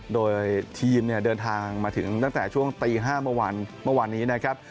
โดยทีมเนี่ยเดินทางมาถึงตั้งแต่ช่วงตี๕เมื่อวานนี้นะครับ